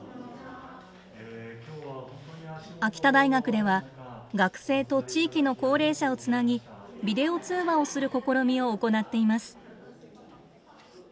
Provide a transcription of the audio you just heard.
秋田大学では学生と地域の高齢者をつなぎビデオ通話をする試みを行っています。